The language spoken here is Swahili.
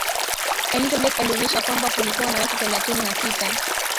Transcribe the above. elizabeth alionyesha kwamba kulikuwa na watu thelathini na sita